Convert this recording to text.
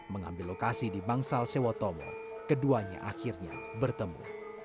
mengambil lokasi di bangsal sewotomo keduanya akhirnya bertemu